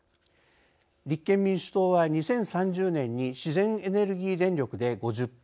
立憲民主党は「２０３０年に自然エネルギー電力で５０％